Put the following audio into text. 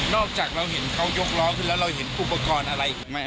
จากเราเห็นเขายกล้อขึ้นแล้วเราเห็นอุปกรณ์อะไรอีกไหม